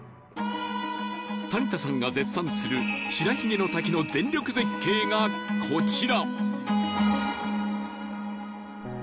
谷田さんが絶賛する「白ひげの滝」の全力絶景がコチラ！